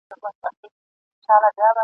زما په څېر یو ټوپ راواچاوه له پاسه !.